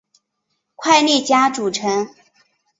快利佳组成。